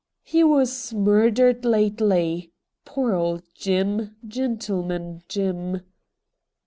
' He was murdered lately — poor old Jim — Gentleman Jim